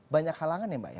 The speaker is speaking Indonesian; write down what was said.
banyak halangan ya mbak ya